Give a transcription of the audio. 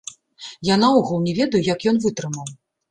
Я наогул не ведаю, як ён вытрымаў.